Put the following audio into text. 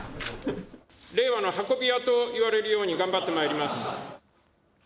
令和の運び屋といわれるように頑張ってまいります。